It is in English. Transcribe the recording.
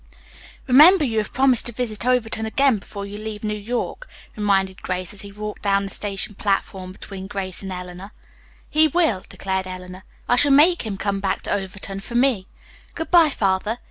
"Remember, you have promised to visit Overton again before you leave New York," reminded Grace as he walked down the station platform between Grace and Eleanor. "He will," declared Eleanor. "I shall make him come back to Overton for me. Good bye, Father.